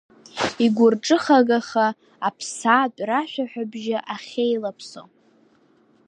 Игәырҿыхагаха аԥсаатә-рашәаҳәабжьы ахьеилаԥсо.